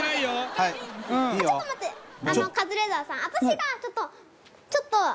私がちょっとちょっと。